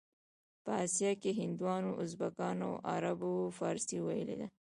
په اسیا کې هندوانو، ازبکانو او عربو فارسي ویلې ده.